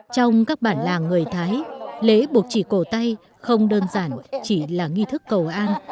trong các bản làng người thái lễ buộc chỉ cổ tay không đơn giản chỉ là nghi thức cầu an